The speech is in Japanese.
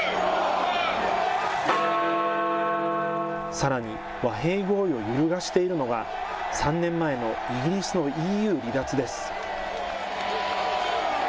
さらに、和平合意を揺るがしているのが、３年前のイギリスのＥＵ離脱です。